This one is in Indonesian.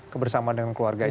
kebersamaan dengan keluarga itu